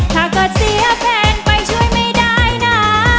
ถ้าเกิดเสียแฟนไปช่วยไม่ได้นะ